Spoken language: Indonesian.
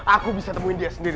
aku bisa temuin dia sendiri